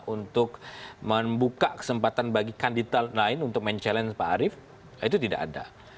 untuk membuka kesempatan bagi kandidat lain untuk mencabar pak arief itu tidak ada